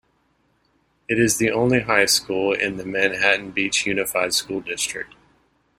It is the only high school in the Manhattan Beach Unified School District.